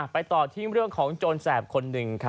ไปต่อที่เรื่องของโจรแสบคนหนึ่ง